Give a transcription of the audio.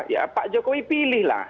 ya pak jokowi pilih lah